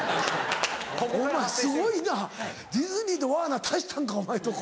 お前すごいなディズニーとワーナー足したんかお前んとこ。